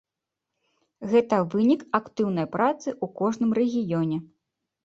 Гэта вынік актыўнай працы ў кожным рэгіёне.